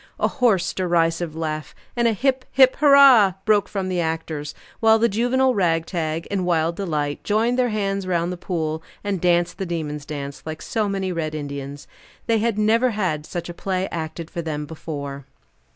A hoarse, derisive laugh, and a hip, hip, hurrah! broke from the actors; while the juvenile ragtag, in wild delight, joined their hands round the pool, and danced the demon's dance, like so many red Indians. They had never had such a play acted for them before.